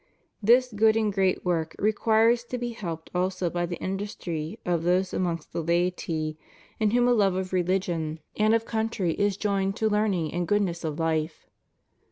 This good and great work requires to be helped also by the industry of those amongst the laity in whom a love of religion and FREEMASONRY. 103 of country is joined to learning and goodness of life.